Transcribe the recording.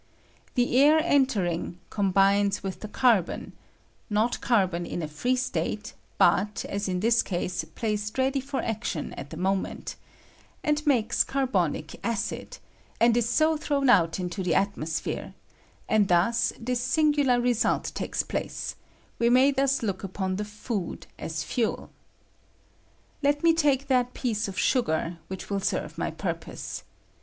The air entering, combines with the carbon (not carbon in a free state, but, as in this case, placed ready for action at the mo ment), and makes carbonic acid, and is so thrown out into the atmosphere, and thus this singular result takes place ; we may thus look upon the food as fuel. Let me take that piece of sugar, which will serve my purpose.